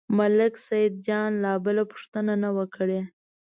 ملک سیدجان لا بله پوښتنه نه وه کړې.